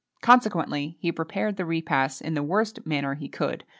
Consequently, he prepared the repasts in the worst manner he could.